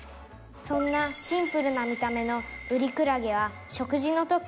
「そんなシンプルな見た目のウリクラゲは食事の時」